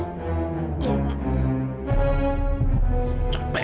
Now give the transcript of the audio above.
coba saya mengadainya